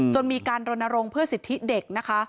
มีการรณรงค์เพื่อสิทธิเด็กนะคะ